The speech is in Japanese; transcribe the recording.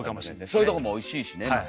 そういうとこもおいしいしね。